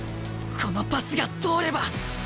このパスが通れば。